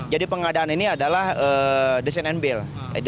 jadi pengadaan ini adalah design and build